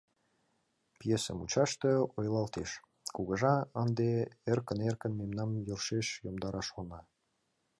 Пьесе мучаште ойлалтеш: «Кугыжа ынде эркын-эркын мемнам йӧршеш йомдараш шона.